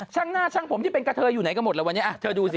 ช่างหน้าช่างผมที่เป็นกระเทยอยู่ไหนกันหมดแล้ววันนี้อ่ะเธอดูสิ